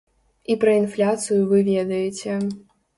І пра інфляцыю вы ведаеце.